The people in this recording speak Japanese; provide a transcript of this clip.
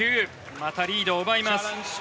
またリードを奪います。